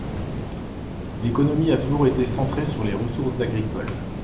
L’économie a toujours été centrée sur les ressources agricoles.